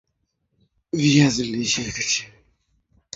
menya viazi lishe vizuri kabla ya kupika